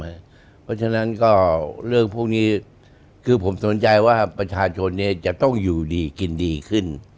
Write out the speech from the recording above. เพราะฉะนั้นก็เรื่องพวกนี้คือผมสนใจว่าประชาชนจะต้องอยู่ดีกินดีขึ้น